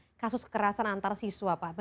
saat ada kasus kekerasan antarsiswa pak